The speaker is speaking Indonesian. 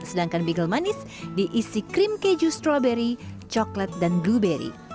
sedangkan bagel manis diisi krim keju strawberry coklat dan blueberry